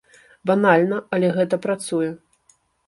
Банальна, але гэта працуе.